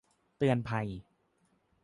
เตือนภัย !